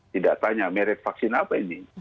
tidak tanya merek vaksin apa ini